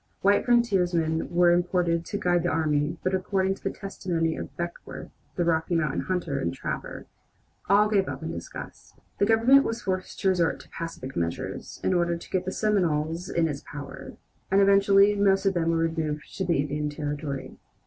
White frontiersmen were imported to guide the army, but according to the testimony of Beckworth, the Rocky Mountain hunter and trapper, all gave up in disgust. The Government was forced to resort to pacific measures in order to get the Seminoles in its power, and eventually most of them were removed to the Indian Territory.